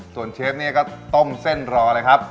ส่วนเชฟนี่ก็ต้มเส้นรอเลยครับ